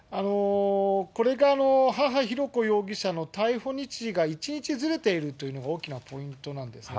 これが母、浩子容疑者の逮捕日時が１日ずれているというのが大きなポイントなんですね。